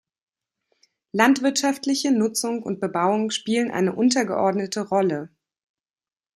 Landwirtschaftliche Nutzung und Bebauung spielen eine untergeordnete Rolle.